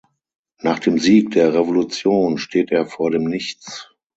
Nach dem Sieg der Revolution steht er vor dem Nichts.